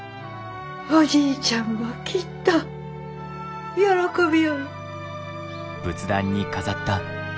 おじいちゃんもきっと喜びょうる。